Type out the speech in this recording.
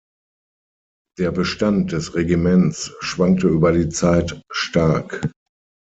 Der Bestand des Regiments schwankte über die Zeit stark.